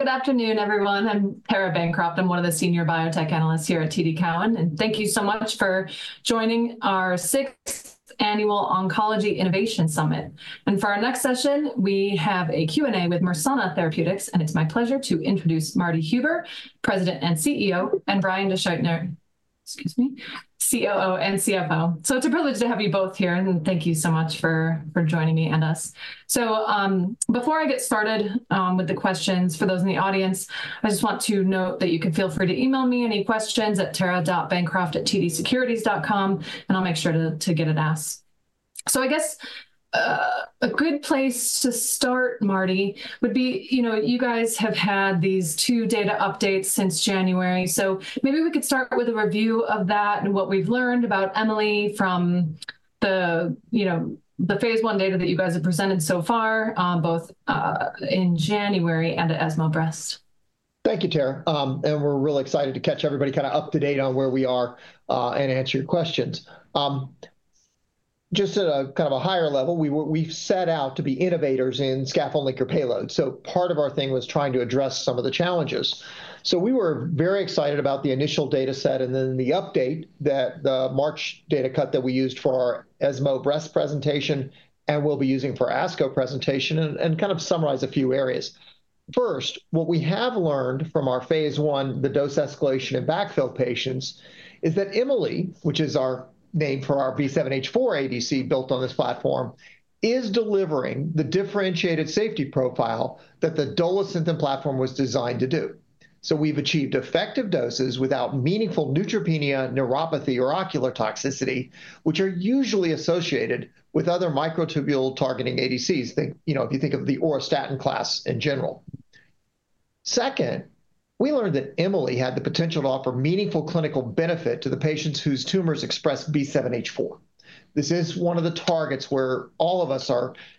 Good afternoon, everyone. I'm Tara Bancroft. I'm one of the senior biotech analysts here at TD Cowen. Thank you so much for joining our sixth annual Oncology Innovation Summit. For our next session, we have a Q&A with Mersana Therapeutics. It's my pleasure to introduce Marty Huber, President and CEO, and Brian DeSchuytner, excuse me, COO and CFO. It's a privilege to have you both here. Thank you so much for joining me and us. Before I get started with the questions for those in the audience, I just want to note that you can feel free to email me any questions at tara.bancroft@tdsecurities.com. I'll make sure to get it asked. I guess a good place to start, Marty, would be you guys have had these two data updates since January. Maybe we could start with a review of that and what we've learned about Emi-Le from the phase I data that you guys have presented so far, both in January and at ESMO Breast. Thank you, Tara. We are really excited to catch everybody kind of up to date on where we are and answer your questions. Just at a kind of a higher level, we have set out to be innovators in scaffold linker payloads. Part of our thing was trying to address some of the challenges. We were very excited about the initial data set and then the update at the March data cut that we used for our ESMO Breast presentation and we will be using for ASCO presentation and kind of summarize a few areas. First, what we have learned from our phase one, the dose escalation and backfill patients, is that Emi-Le, which is our name for our B7-H4 ADC built on this platform, is delivering the differentiated safety profile that the Dolasynthen platform was designed to do. We've achieved effective doses without meaningful neutropenia, neuropathy, or ocular toxicity, which are usually associated with other microtubule-targeting ADCs, if you think of the auristatin class in general. Second, we learned that Emi-Le had the potential to offer meaningful clinical benefit to the patients whose tumors express B7-H4. This is one of the targets where all of us,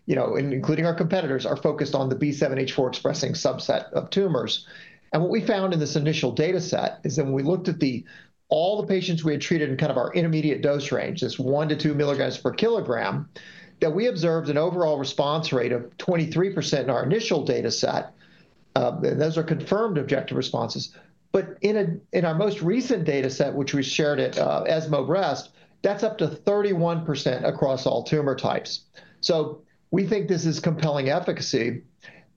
including our competitors, are focused on the B7-H4 expressing subset of tumors. What we found in this initial data set is that when we looked at all the patients we had treated in kind of our intermediate dose range, this 1-2 mg per kg, we observed an overall response rate of 23% in our initial data set. Those are confirmed objective responses. In our most recent data set, which we shared at ESMO Breast, that's up to 31% across all tumor types. We think this is compelling efficacy,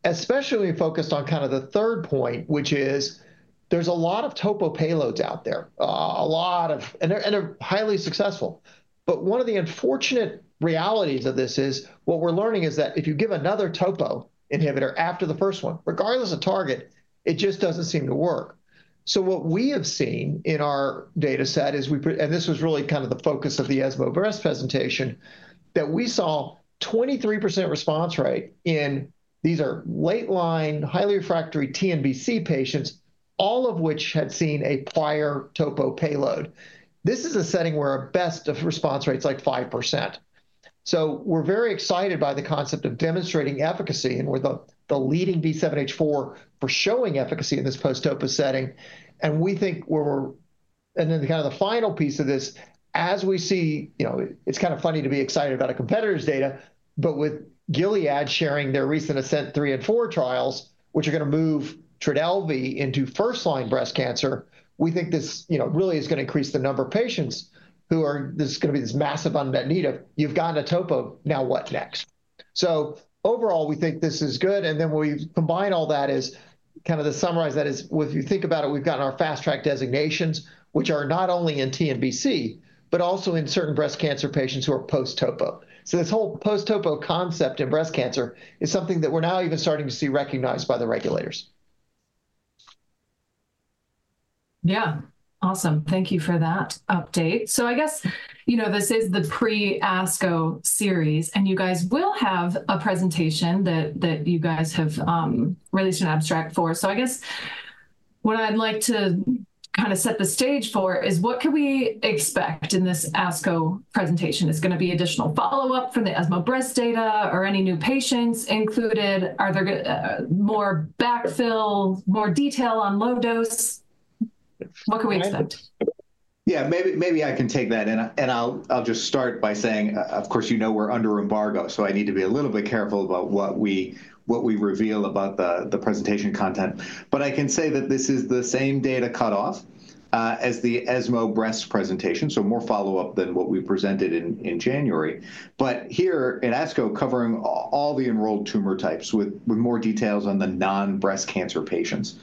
especially when we focused on kind of the third point, which is there's a lot of topo payloads out there, a lot of, and they're highly successful. One of the unfortunate realities of this is what we're learning is that if you give another topo inhibitor after the first one, regardless of target, it just doesn't seem to work. What we have seen in our data set is, and this was really kind of the focus of the ESMO Breast presentation, that we saw a 23% response rate in these are late line, highly refractory TNBC patients, all of which had seen a prior topo payload. This is a setting where our best of response rate is like 5%. We're very excited by the concept of demonstrating efficacy. We're the leading B7-H4 for showing efficacy in this post-topo setting. We think, and then kind of the final piece of this, as we see, it's kind of funny to be excited about a competitor's data, but with Gilead sharing their recent ASCENT-3 and -4 trials, which are going to move Trodelvy into first line breast cancer, we think this really is going to increase the number of patients who are, there's going to be this massive unmet need of, you've gotten a topo, now what next? Overall, we think this is good. When we combine all that, to kind of summarize that, if you think about it, we've gotten our fast track designations, which are not only in TNBC, but also in certain breast cancer patients who are post-topo. This whole post-topo concept in breast cancer is something that we're now even starting to see recognized by the regulators. Yeah. Awesome. Thank you for that update. I guess this is the pre-ASCO series. You guys will have a presentation that you guys have released an abstract for. I guess what I'd like to kind of set the stage for is what can we expect in this ASCO presentation? Is it going to be additional follow-up from the ESMO Breast data or any new patients included? Are there more backfill, more detail on low dose? What can we expect? Yeah, maybe I can take that. I'll just start by saying, of course, you know we're under embargo, so I need to be a little bit careful about what we reveal about the presentation content. I can say that this is the same data cutoff as the ESMO Breast presentation, so more follow-up than what we presented in January. Here in ASCO, covering all the enrolled tumor types with more details on the non-breast cancer patients.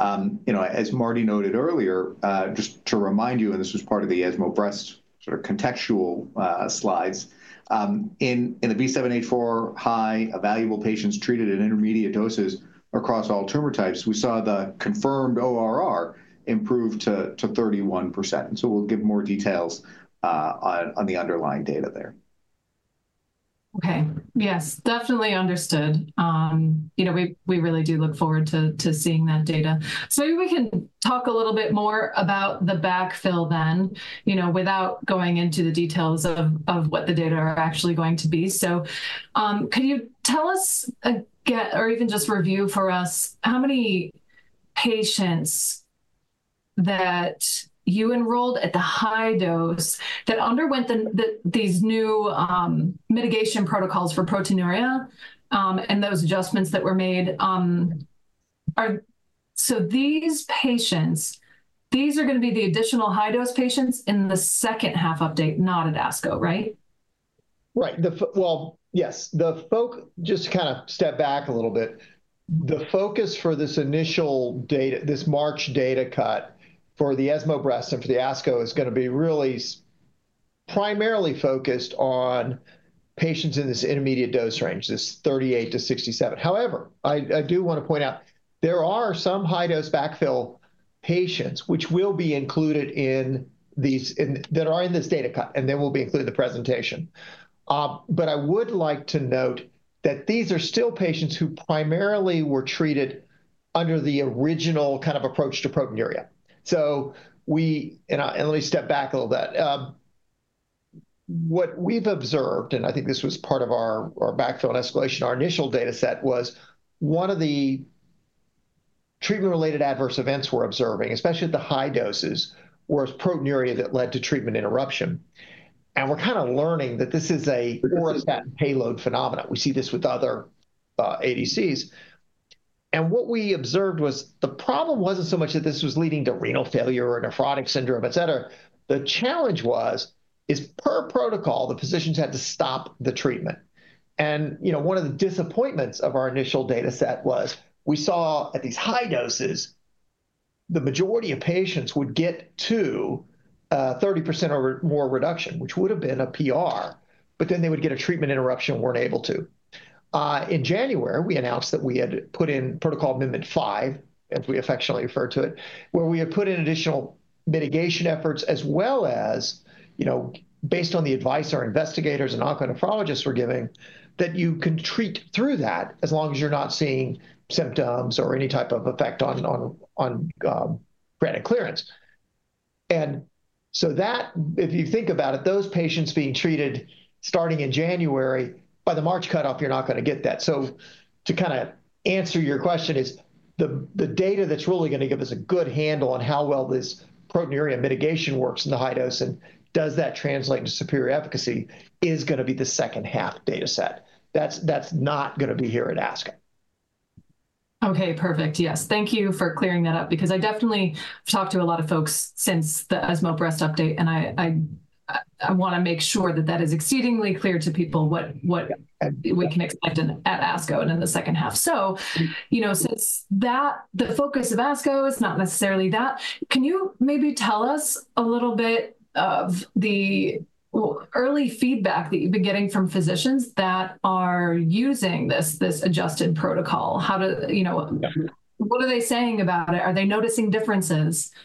As Marty noted earlier, just to remind you, and this was part of the ESMO Breast sort of contextual slides, in the B7-H4 high, evaluable patients treated at intermediate doses across all tumor types, we saw the confirmed ORR improve to 31%. We'll give more details on the underlying data there. OK. Yes, definitely understood. We really do look forward to seeing that data. Maybe we can talk a little bit more about the backfill then without going into the details of what the data are actually going to be. Can you tell us, or even just review for us, how many patients that you enrolled at the high dose that underwent these new mitigation protocols for proteinuria and those adjustments that were made? These patients, these are going to be the additional high dose patients in the second half update, not at ASCO, right? Right. Yes. Just to kind of step back a little bit, the focus for this initial data, this March data cut for the ESMO Breast and for the ASCO is going to be really primarily focused on patients in this intermediate dose range, this 38-67. However, I do want to point out there are some high dose backfill patients which will be included in these that are in this data cut. They will be included in the presentation. I would like to note that these are still patients who primarily were treated under the original kind of approach to proteinuria. Let me step back a little bit. What we've observed, and I think this was part of our backfill and escalation, our initial data set was one of the treatment-related adverse events we're observing, especially at the high doses, was proteinuria that led to treatment interruption. We're kind of learning that this is an auristatin payload phenomenon. We see this with other ADCs. What we observed was the problem was not so much that this was leading to renal failure or nephrotic syndrome, et cetera. The challenge was, per protocol, the physicians had to stop the treatment. One of the disappointments of our initial data set was we saw at these high doses, the majority of patients would get to 30% or more reduction, which would have been a PR. They would get a treatment interruption and were not able to. In January, we announced that we had put in protocol amendment 5, as we affectionately refer to it, where we had put in additional mitigation efforts as well as based on the advice our investigators and onconephrologists were giving that you can treat through that as long as you're not seeing symptoms or any type of effect on creatinine clearance. If you think about it, those patients being treated starting in January, by the March cutoff, you're not going to get that. To kind of answer your question, the data that's really going to give us a good handle on how well this proteinuria mitigation works in the high dose and does that translate into superior efficacy is going to be the second half data set. That's not going to be here at ASCO. OK, perfect. Yes, thank you for clearing that up. Because I definitely talked to a lot of folks since the ESMO Breast update. I want to make sure that that is exceedingly clear to people what we can expect at ASCO and in the second half. Since that, the focus of ASCO is not necessarily that, can you maybe tell us a little bit of the early feedback that you've been getting from physicians that are using this adjusted protocol? What are they saying about it? Are they noticing differences? Yeah,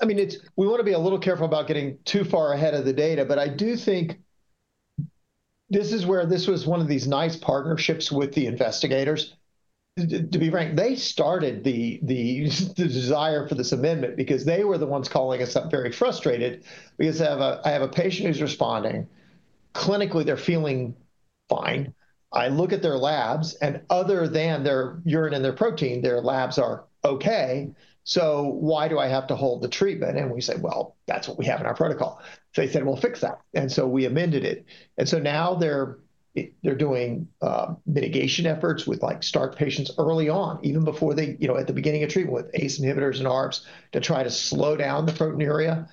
I mean, we want to be a little careful about getting too far ahead of the data. I do think this is where this was one of these nice partnerships with the investigators. To be frank, they started the desire for this amendment because they were the ones calling us up very frustrated. We have a patient who's responding. Clinically, they're feeling fine. I look at their labs. Other than their urine and their protein, their labs are okay. Why do I have to hold the treatment? We said, well, that's what we have in our protocol. They said, fix that. We amended it. Now they're doing mitigation efforts with patients early on, even before they, at the beginning of treatment with ACE inhibitors and ARBs to try to slow down the proteinuria.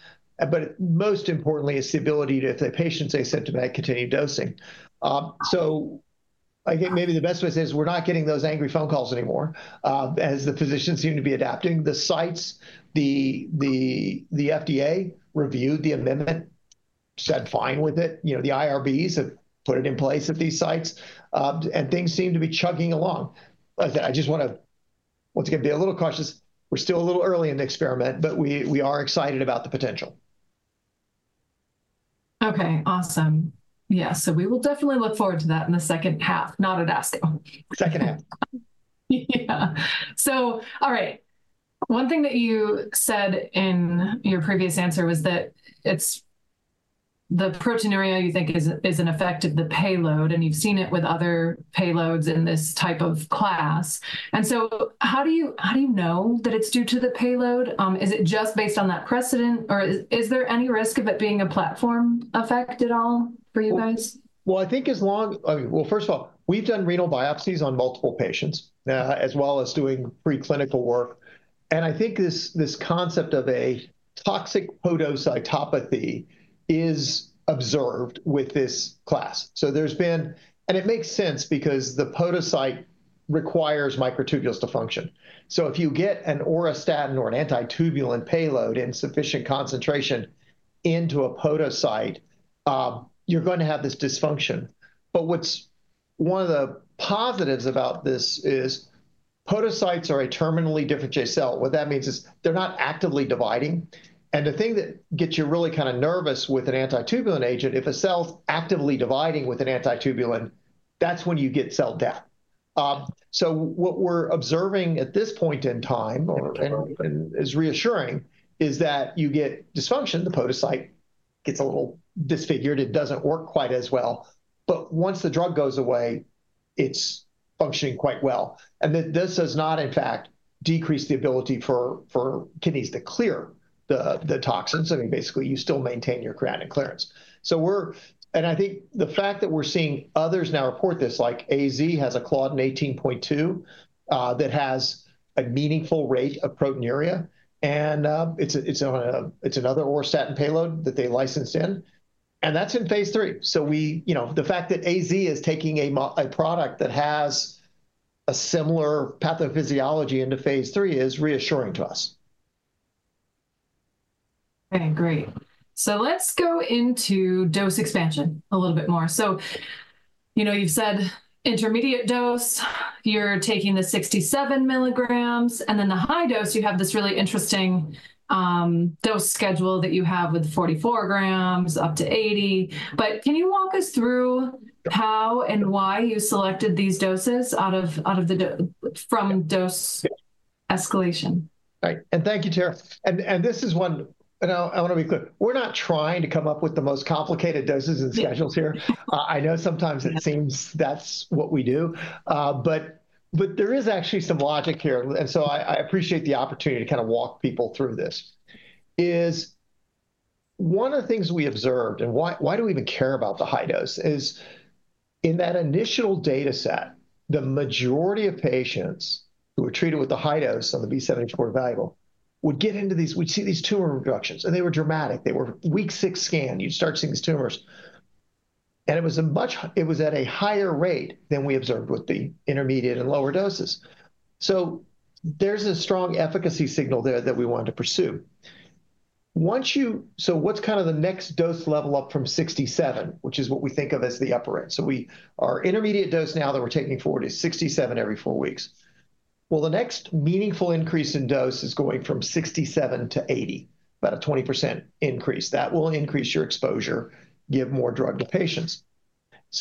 Most importantly, it's the ability to, if the patient's asymptomatic, continue dosing. I think maybe the best way to say it is we're not getting those angry phone calls anymore as the physicians seem to be adapting. The sites, the FDA reviewed the amendment, said fine with it. The IRBs have put it in place at these sites. Things seem to be chugging along. I just want to, once again, be a little cautious. We're still a little early in the experiment, but we are excited about the potential. OK, awesome. Yeah, so we will definitely look forward to that in the second half, not at ASCO. Second half. Yeah. All right. One thing that you said in your previous answer was that the proteinuria you think is an effect of the payload. You have seen it with other payloads in this type of class. How do you know that it is due to the payload? Is it just based on that precedent? Or is there any risk of it being a platform effect at all for you guys? I think as long, first of all, we've done renal biopsies on multiple patients as well as doing preclinical work. I think this concept of a toxic podocytopathy is observed with this class. It makes sense because the podocyte requires microtubules to function. If you get an auristatin or an antitubulin payload in sufficient concentration into a podocyte, you're going to have this dysfunction. One of the positives about this is podocytes are a terminally differentiated cell. What that means is they're not actively dividing. The thing that gets you really kind of nervous with an antitubulin agent, if a cell's actively dividing with an antitubulin, that's when you get cell death. What we're observing at this point in time that is reassuring is that you get dysfunction, the podocyte gets a little disfigured. It doesn't work quite as well. Once the drug goes away, it's functioning quite well. This does not, in fact, decrease the ability for kidneys to clear the toxins. I mean, basically, you still maintain your creatinine clearance. I think the fact that we're seeing others now report this, like AZ has a CLDN18.2 that has a meaningful rate of proteinuria. It's another auristatin payload that they licensed in. That's in phase three. The fact that AZ is taking a product that has a similar pathophysiology into phase three is reassuring to us. OK, great. Let's go into dose expansion a little bit more. You've said intermediate dose, you're taking the 67 milligrams. The high dose, you have this really interesting dose schedule that you have with 44 grams up to 80. Can you walk us through how and why you selected these doses out of the from dose escalation? Right. Thank you, Tara. This is one, and I want to be clear. We're not trying to come up with the most complicated doses and schedules here. I know sometimes it seems that's what we do. There is actually some logic here. I appreciate the opportunity to kind of walk people through this. One of the things we observed, and why do we even care about the high dose, is in that initial data set, the majority of patients who were treated with the high dose on the B7-H4 valuable would get into these, we'd see these tumor reductions. They were dramatic. They were week six scan. You'd start seeing these tumors. It was at a higher rate than we observed with the intermediate and lower doses. There's a strong efficacy signal there that we wanted to pursue. What's kind of the next dose level up from 67, which is what we think of as the upper end? Our intermediate dose now that we're taking forward is 67 every four weeks. The next meaningful increase in dose is going from 67 to 80, about a 20% increase. That will increase your exposure, give more drug to patients.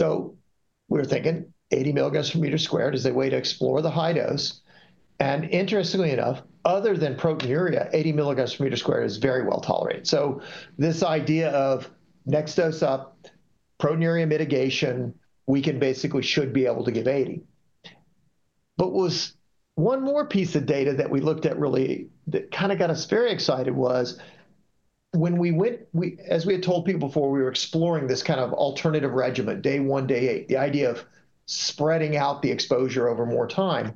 We're thinking 80 mg per meter squared is a way to explore the high dose. Interestingly enough, other than proteinuria, 80 mg per meter squared is very well tolerated. This idea of next dose up, proteinuria mitigation, we can basically should be able to give 80. One more piece of data that we looked at really that kind of got us very excited was when we went, as we had told people before, we were exploring this kind of alternative regimen, day one, day eight, the idea of spreading out the exposure over more time.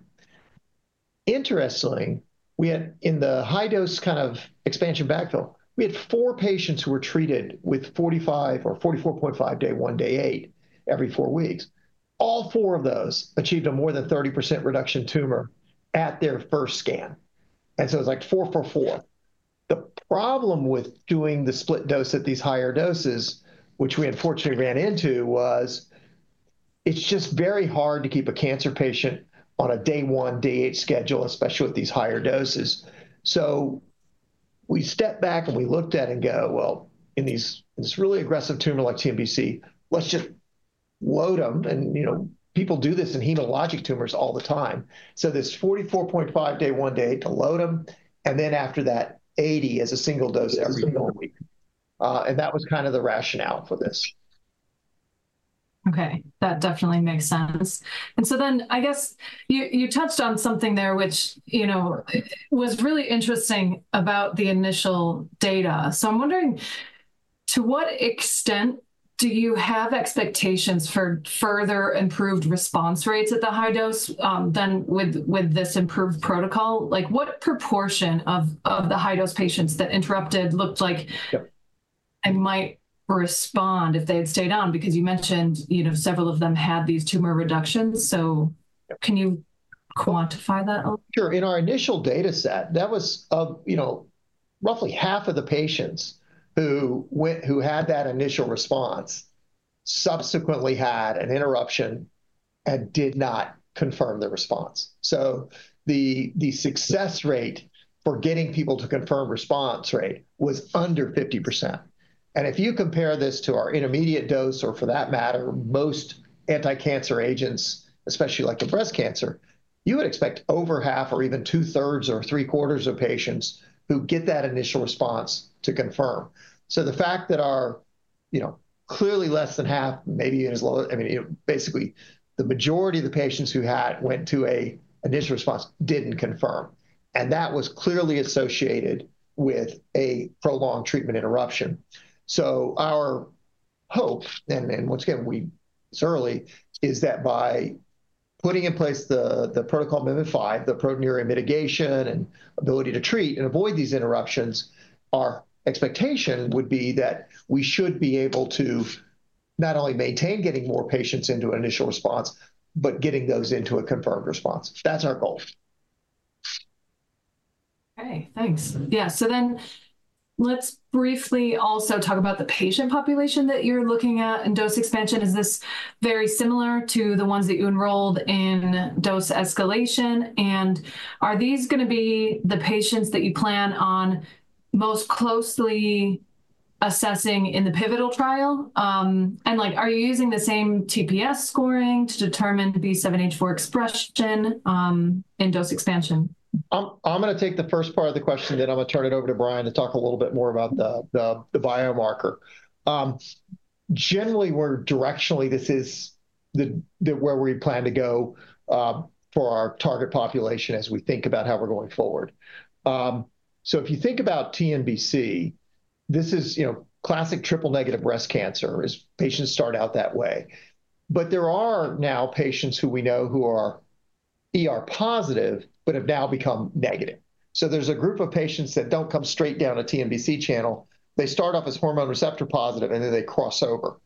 Interestingly, in the high dose kind of expansion backfill, we had four patients who were treated with 45 or 44.5 day one, day eight every four weeks. All four of those achieved a more than 30% reduction tumor at their first scan. It was like four for four. The problem with doing the split dose at these higher doses, which we unfortunately ran into, was it's just very hard to keep a cancer patient on a day one, day eight schedule, especially with these higher doses. We step back and we looked at it and go, well, in this really aggressive tumor like TNBC, let's just load them. People do this in hematologic tumors all the time. This 44.5 day one, day eight to load them. After that, 80 as a single dose every single week. That was kind of the rationale for this. OK, that definitely makes sense. I guess you touched on something there which was really interesting about the initial data. I'm wondering, to what extent do you have expectations for further improved response rates at the high dose than with this improved protocol? What proportion of the high dose patients that interrupted looked like they might respond if they had stayed on? You mentioned several of them had these tumor reductions. Can you quantify that a little bit? Sure. In our initial data set, that was roughly half of the patients who had that initial response subsequently had an interruption and did not confirm the response. The success rate for getting people to confirm response rate was under 50%. If you compare this to our intermediate dose or for that matter, most anti-cancer agents, especially like the breast cancer, you would expect over half or even two thirds or three quarters of patients who get that initial response to confirm. The fact that our clearly less than half, maybe even as little, I mean, basically the majority of the patients who went to an initial response did not confirm. That was clearly associated with a prolonged treatment interruption. Our hope, and once again, it's early, is that by putting in place the protocol amendment 5, the proteinuria mitigation and ability to treat and avoid these interruptions, our expectation would be that we should be able to not only maintain getting more patients into an initial response, but getting those into a confirmed response. That's our goal. OK, thanks. Yeah, so then let's briefly also talk about the patient population that you're looking at in dose expansion. Is this very similar to the ones that you enrolled in dose escalation? Are these going to be the patients that you plan on most closely assessing in the pivotal trial? Are you using the same TPS scoring to determine B7-H4 expression in dose expansion? I'm going to take the first part of the question, then I'm going to turn it over to Brian to talk a little bit more about the biomarker. Generally, we're directionally, this is where we plan to go for our target population as we think about how we're going forward. If you think about TNBC, this is classic triple-negative breast cancer as patients start out that way. There are now patients who we know who are positive but have now become negative. There's a group of patients that don't come straight down a TNBC channel. They start off as hormone receptor positive, and then they cross over.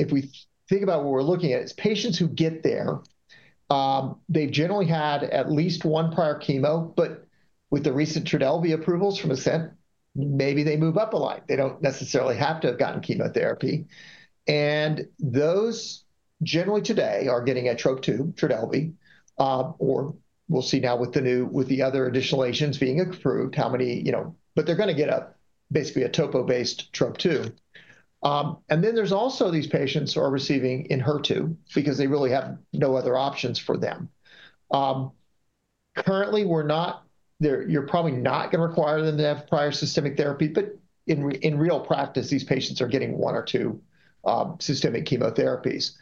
If we think about what we're looking at, it's patients who get there, they've generally had at least one prior chemo. With the recent Trodelvy approvals from Ascent, maybe they move up a line. They do not necessarily have to have gotten chemotherapy. Those generally today are getting a Trop-2, Trodelvy, or we will see now with the other additional agents being approved how many, but they are going to get basically a topo-based Trop-2. There are also these patients who are receiving Inher2 because they really have no other options for them. Currently, you are probably not going to require them to have prior systemic therapy. In real practice, these patients are getting one or two systemic chemotherapies.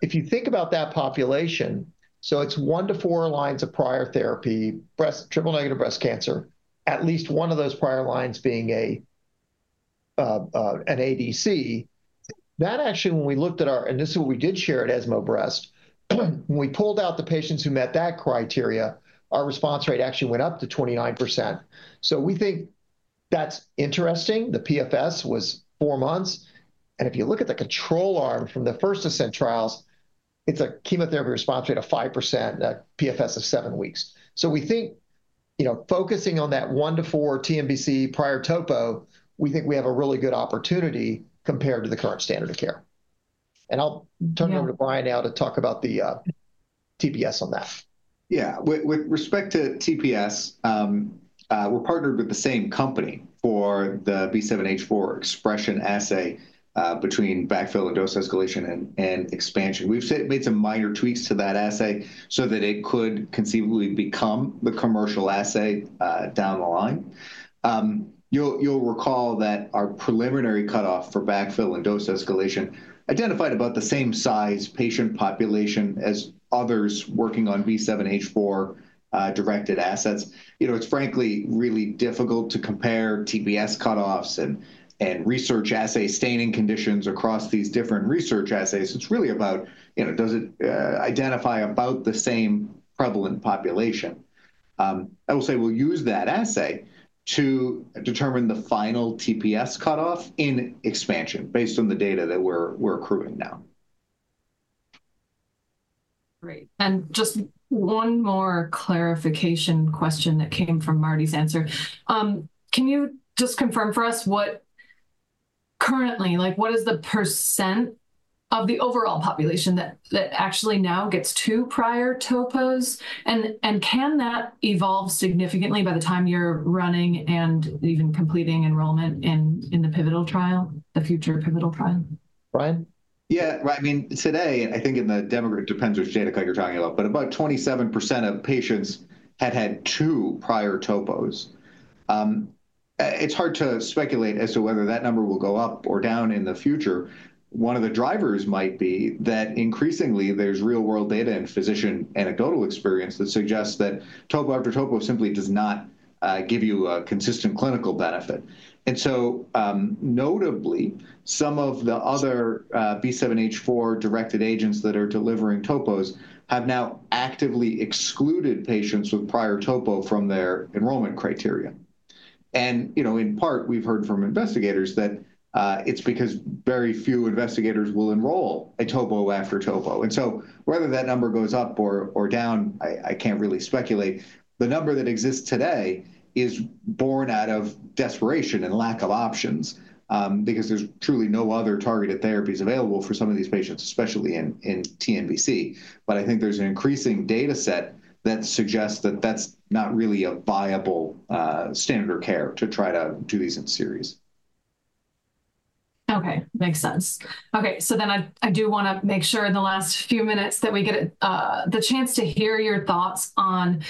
If you think about that population, it is one to four lines of prior therapy, triple negative breast cancer, at least one of those prior lines being an ADC. That actually, when we looked at our, and this is what we did share at ESMO Breast, when we pulled out the patients who met that criteria, our response rate actually went up to 29%. We think that's interesting. The PFS was four months. If you look at the control arm from the first Ascent trials, it's a chemotherapy response rate of 5%, a PFS of seven weeks. We think focusing on that one to four TNBC prior topo, we think we have a really good opportunity compared to the current standard of care. I'll turn it over to Brian now to talk about the TPS on that. Yeah, with respect to TPS, we're partnered with the same company for the B7-H4 expression assay between backfill and dose escalation and expansion. We've made some minor tweaks to that assay so that it could conceivably become the commercial assay down the line. You'll recall that our preliminary cutoff for backfill and dose escalation identified about the same size patient population as others working on B7-H4 directed assets. It's frankly really difficult to compare TPS cutoffs and research assay staining conditions across these different research assays. It's really about, does it identify about the same prevalent population? I will say we'll use that assay to determine the final TPS cutoff in expansion based on the data that we're accruing now. Great. Just one more clarification question that came from Marty's answer. Can you just confirm for us what currently, what is the % of the overall population that actually now gets two prior topos? Can that evolve significantly by the time you're running and even completing enrollment in the pivotal trial, the future pivotal trial? Brian? Yeah, I mean, today, I think in the demographic depends which data code you're talking about, but about 27% of patients had had two prior topos. It's hard to speculate as to whether that number will go up or down in the future. One of the drivers might be that increasingly there's real-world data and physician anecdotal experience that suggests that topo after topo simply does not give you a consistent clinical benefit. Notably, some of the other B7-H4 directed agents that are delivering topos have now actively excluded patients with prior topo from their enrollment criteria. In part, we've heard from investigators that it's because very few investigators will enroll a topo after topo. Whether that number goes up or down, I can't really speculate. The number that exists today is born out of desperation and lack of options because there's truly no other targeted therapies available for some of these patients, especially in TNBC. I think there's an increasing data set that suggests that that's not really a viable standard of care to try to do these in series. OK, makes sense. OK, so then I do want to make sure in the last few minutes that we get the chance to hear your thoughts on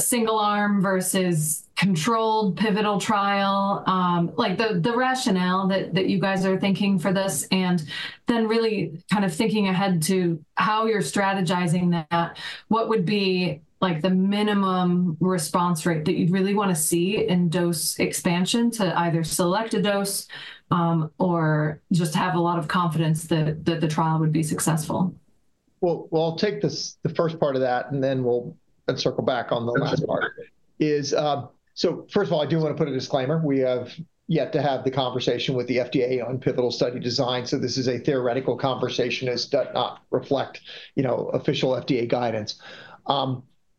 single arm versus controlled pivotal trial, the rationale that you guys are thinking for this, and then really kind of thinking ahead to how you're strategizing that. What would be the minimum response rate that you'd really want to see in dose expansion to either select a dose or just have a lot of confidence that the trial would be successful? I'll take the first part of that, and then we'll circle back on the last part. First of all, I do want to put a disclaimer. We have yet to have the conversation with the FDA on pivotal study design. This is a theoretical conversation. It does not reflect official FDA guidance.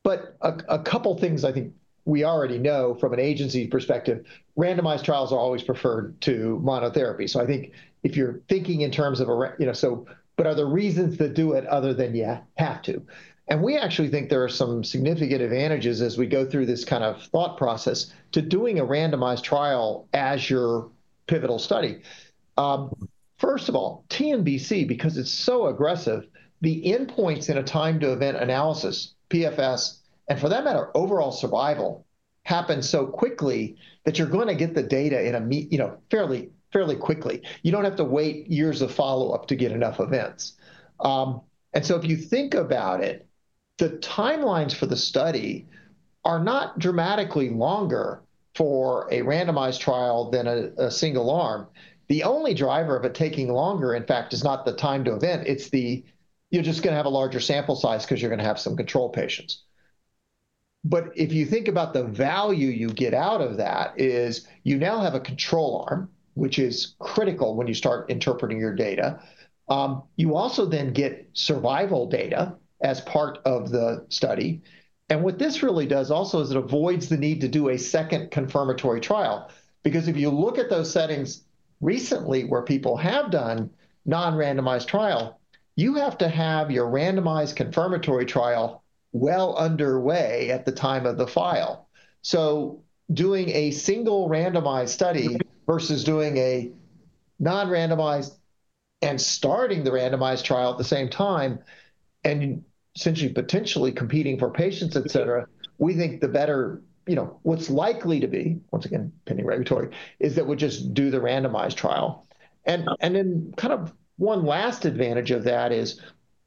A couple of things I think we already know from an agency perspective, randomized trials are always preferred to monotherapy. I think if you're thinking in terms of, but are there reasons to do it other than you have to? We actually think there are some significant advantages as we go through this kind of thought process to doing a randomized trial as your pivotal study. First of all, TNBC, because it's so aggressive, the endpoints in a time to event analysis, PFS, and for that matter, overall survival happens so quickly that you're going to get the data fairly quickly. You don't have to wait years of follow-up to get enough events. If you think about it, the timelines for the study are not dramatically longer for a randomized trial than a single arm. The only driver of it taking longer, in fact, is not the time to event. You're just going to have a larger sample size because you're going to have some control patients. If you think about the value you get out of that, you now have a control arm, which is critical when you start interpreting your data. You also then get survival data as part of the study. What this really does also is it avoids the need to do a second confirmatory trial. Because if you look at those settings recently where people have done non-randomized trial, you have to have your randomized confirmatory trial well underway at the time of the file. Doing a single randomized study versus doing a non-randomized and starting the randomized trial at the same time and essentially potentially competing for patients, et cetera, we think the better what's likely to be, once again, pending regulatory, is that we'll just do the randomized trial. One last advantage of that is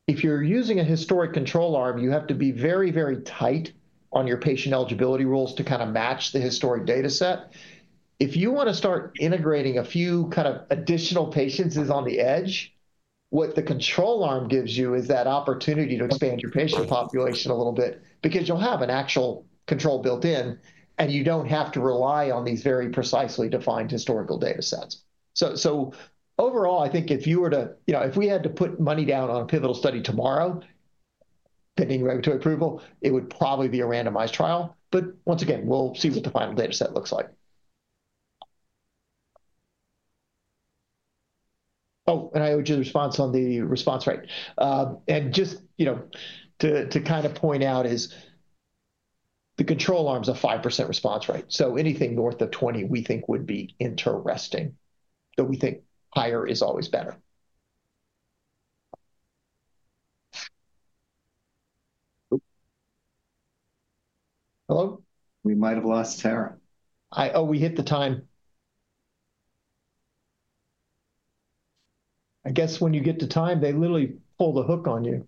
if you're using a historic control arm, you have to be very, very tight on your patient eligibility rules to kind of match the historic data set. If you want to start integrating a few kind of additional patients on the edge, what the control arm gives you is that opportunity to expand your patient population a little bit because you'll have an actual control built in, and you don't have to rely on these very precisely defined historical data sets. Overall, I think if you were to, if we had to put money down on a pivotal study tomorrow, pending regulatory approval, it would probably be a randomized trial. Once again, we'll see what the final data set looks like. Oh, and I owe you the response on the response rate. Just to kind of point out is the control arm's a 5% response rate. Anything north of 20% we think would be interesting, though we think higher is always better. Hello? We might have lost Tara. Oh, we hit the time. I guess when you get the time, they literally pull the hook on you.